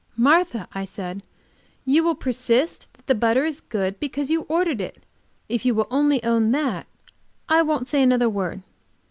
"Martha," I said, "you will persist that the butter is good, because you ordered it. If you will only own that, I won't say another word."